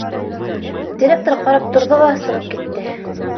Директор ҡарап торҙо ла, сығып китте.